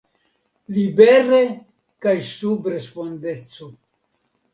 Libere kaj sub respondeco!